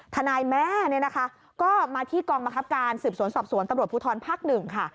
ธนายแม่ก็มาที่กองมะครับการสืบสวนสอบสวนตำรวจภูทรภักดิ์หนึ่ง